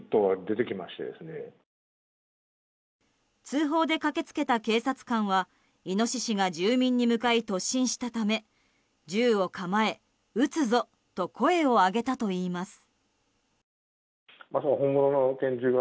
通報で駆け付けた警察官はイノシシが住民に向かい突進したため銃を構え撃つぞと声を上げたといいます。